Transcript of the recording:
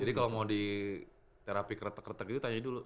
jadi kalau mau di terapi kretek kretek itu tanya dulu